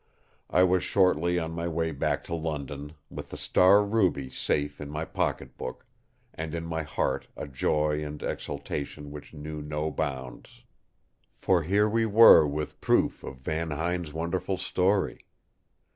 I was shortly on my way back to London, with the Star Ruby safe in my pocket book; and in my heart a joy and exultation which knew no bounds. "For here we were with proof of Van Huyn's wonderful story.